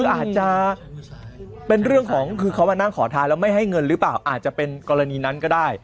อาจจะเป็นเรื่องของคือเขามานั่งขอทานแล้วไม่ให้เงินหรือเปล่าอาจจะเป็นกรณีนั้นก็ได้